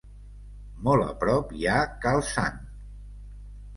Molt a prop hi ha Cal Sant.